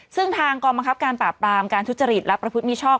ซึ่งทางกรรมคับการปราบตามการทุจริตและประพุทธมีช่อง